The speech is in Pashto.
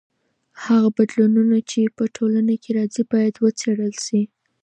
هغه بدلونونه چې په ټولنه کې راځي باید وڅېړل سي.